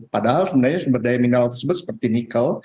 padahal sebenarnya sumber daya mineral tersebut seperti nikel